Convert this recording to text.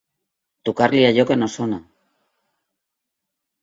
Tocar-li allò que no sona.